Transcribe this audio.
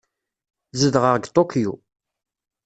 Zedɣeɣ deg Tokyo.